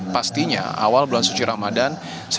pastinya awal bulan suci ramadan